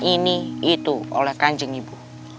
ini itu oleh kanjeng ibu